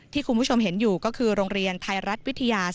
คุณผู้ชมเห็นอยู่ก็คือโรงเรียนไทยรัฐวิทยา